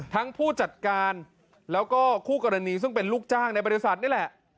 ผู้จัดการแล้วก็คู่กรณีซึ่งเป็นลูกจ้างในบริษัทนี่แหละ